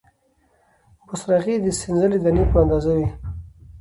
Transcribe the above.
بوسراغې یې د سنځلې د دانې په اندازه وې،